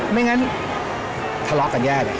ไม่งั้นทะเลาะกันแย่เลย